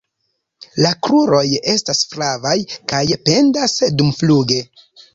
La kruroj estas flavaj kaj pendas dumfluge.